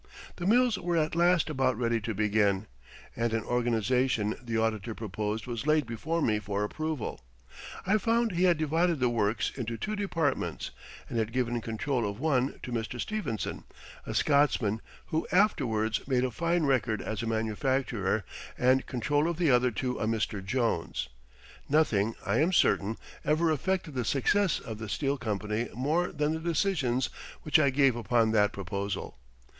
The mills were at last about ready to begin and an organization the auditor proposed was laid before me for approval. I found he had divided the works into two departments and had given control of one to Mr. Stevenson, a Scotsman who afterwards made a fine record as a manufacturer, and control of the other to a Mr. Jones. Nothing, I am certain, ever affected the success of the steel company more than the decision which I gave upon that proposal.